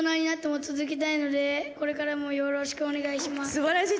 すばらしい。